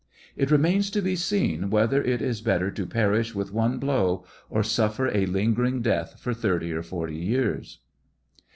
It remains to be seen whether it is better to perish with one blow, or suffer a lingering death for thirty or forty years."